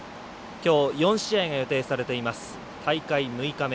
きょう、４試合が予定されています、大会６日目。